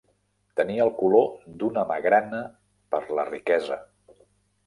Tenia el color d'una magrana per la riquesa.